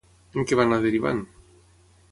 En què va anar derivant?